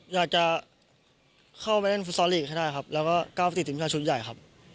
อยากจะเข้าไปเล่นฟุตซอลลีกให้ได้ครับแล้วก็ก้าวไปติดทีมชาติชุดใหญ่ครับ